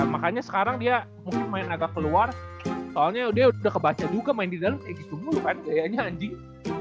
makanya sekarang dia mungkin main agak keluar soalnya dia udah kebaca juga main di dalam kayak gitu dulu kan gayanya anjing